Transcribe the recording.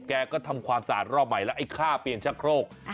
แกก็ทำความสะอาดรอบใหม่แล้วไอ้ค่าเปลี่ยนชะโครก